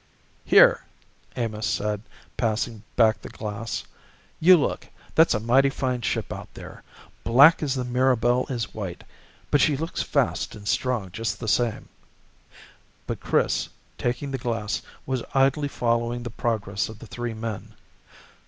"Here," Amos said passing back the glass, "you look. That's a mighty fine ship out there, black as the Mirabelle is white, but she looks fast and strong just the same." But Chris, taking the glass, was idly following the progress of the three men.